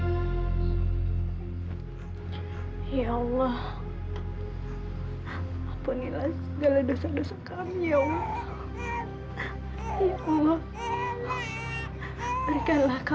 kasih sky ngus legend suatu tujuannya